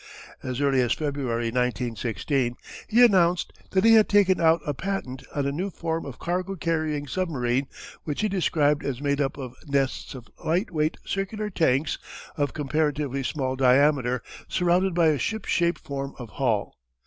As early as February, 1916, he announced that he had taken out a patent on a new form of cargo carrying submarine which he described as made up of "nests of light weight circular tanks of comparatively small diameter surrounded by a ship shape form of hull."